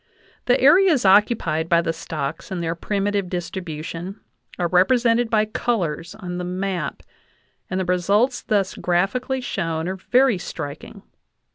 The areas occupied by the stocks in their primitive distribution are represented by colors on the map, and the results thus graphically shown are very striking.